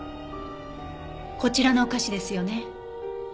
こちらのお菓子ですよね？